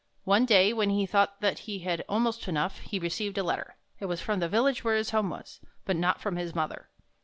One day, when he thought that he had almost enough, he received a letter. It was from the village where his home was, but not from his mother.